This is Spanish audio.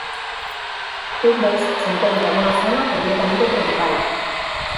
Tumbes se encuentra en una zona completamente tropical.